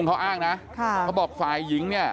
ก็บอกฝ่ายหญิงเนี่ย